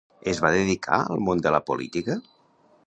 Es va dedicar al món de la política?